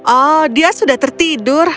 oh dia sudah tertidur